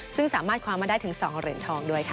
ซึ่งสามารถคว้ามาได้ถึง๒เหรียญทองด้วยค่ะ